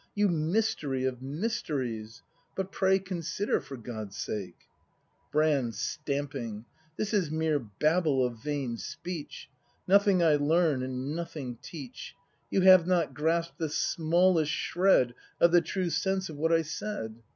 You mystery of mysteries! But pray consider, for God's sake Brand. [Stamping.] This is mere babble of vain speech: — Nothing I learn and nothing teach; You have not grasp'd the smallest shred Of the true sense of what I said.